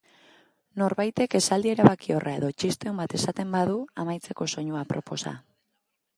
Norbaitek esaldi erabakiorra edo txiste on bat esaten badu amaitzeko soinu aproposa.